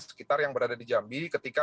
sekitar yang berada di jambi ketika